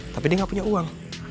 tapi dia nggak punya uang